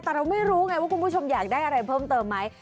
แต่เราไม่รู้ไงว่าคุณผู้ชมอยากได้อะไรเพิ่มเติมไหม